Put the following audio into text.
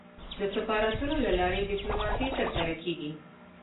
د سفارتونو له لاري ډيپلوماسي ترسره کېږي.